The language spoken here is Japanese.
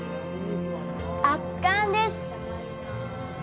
圧巻です！